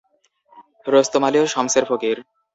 রোস্তম আলী ও শমসের ফকির।